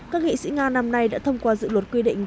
các nghị sĩ nga năm nay đã thông qua dự luật quy định tình trạng